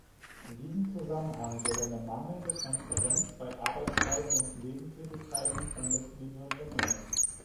In diesem Zusammenhang wird eine mangelnde Transparenz bei Arbeitsweise und Nebentätigkeiten von Mitgliedern bemängelt.